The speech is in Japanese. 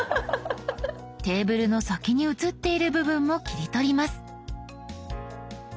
テーブルの先に写っている部分も切り取ります。